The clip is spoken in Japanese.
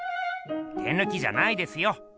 手ぬきじゃないですよ。